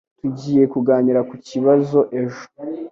Tugiye kuganira ku kibazo ejo